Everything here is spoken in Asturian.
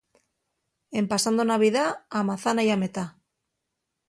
En pasando Navidá, a mazana y a metá.